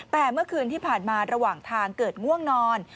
แต่เมื่อคืนที่ผ่านมาระหว่างทางเกิดง่วงนอน